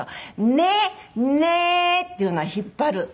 「ねねー」っていうのは引っ張る。